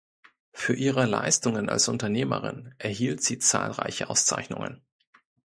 Für ihre Leistungen als Unternehmerin erhielt sie zahlreiche Auszeichnungen.